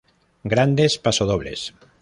Grandes pasodobles